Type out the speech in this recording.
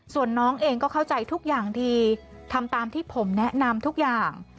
ส่วนน้องเองก็เข้าใจทุกอย่างดีทำตามที่ผมแนะนำทุกอย่าง